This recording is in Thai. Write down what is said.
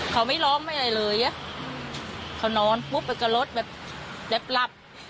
เขาไม่ร้องไม่อะไรเลยเขานอนปุ๊บไปกับรถแบบหลับ